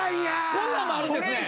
こんなんもあるんですね。